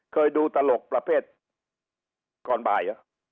เคยดูตลกประเภทก่อนบ่ายเหรอ